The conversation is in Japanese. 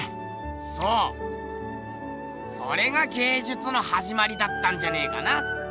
そうそれが芸術のはじまりだったんじゃねえかな。